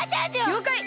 りょうかい！